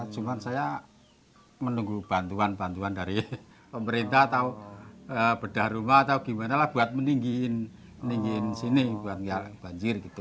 cuma saya menunggu bantuan bantuan dari pemerintah atau bedah rumah atau gimana lah buat meninggiin sini buat nggak banjir gitu